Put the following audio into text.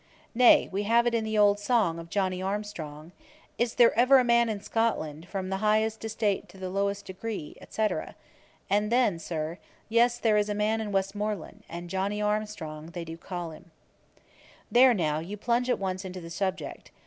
Nay, we have it in the old song of Johnny Armstrong: "Is there ever a man in all Scotland From the highest estate to the lowest degree, &c." And then, Sir, "Yes, there is a man in Westmoreland, And Johnny Armstrong they do him call." There, now, you plunge at once into the subject.